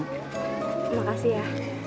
terima kasih ya